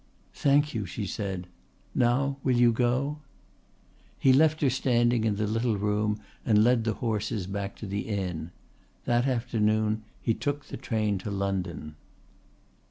"Thank you," she said. "Now will you go?" He left her standing in the little room and led the horses back to the inn. That afternoon he took the train to London.